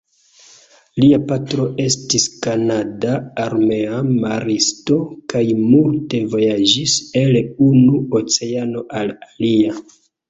Lia patro estis kanada armea maristo kaj multe vojaĝis el unu oceano al alia.